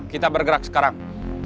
kita bergerak sekarang